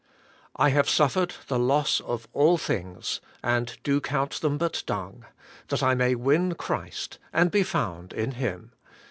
'I have suffered the loss of all things, and do count them but dung, that I may win Christ, and be found in Him.